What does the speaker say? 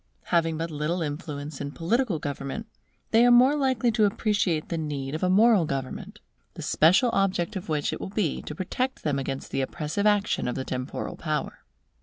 Having but little influence in political government, they are the more likely to appreciate the need of a moral government, the special object of which it will be to protect them against the oppressive action of the temporal power.